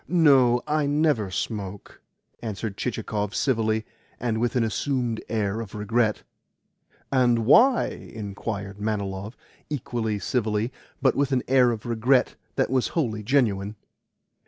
"No, I never smoke," answered Chichikov civilly, and with an assumed air of regret. "And why?" inquired Manilov equally civilly, but with a regret that was wholly genuine.